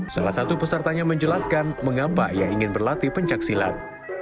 salah satu pesertanya menjelaskan mengapa ia ingin berlatih pencaksilat